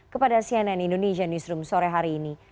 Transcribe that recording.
kepada cnn indonesia newsroom sore hari ini